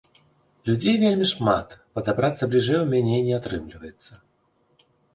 Людзей вельмі шмат, падабрацца бліжэй у мяне не атрымліваецца.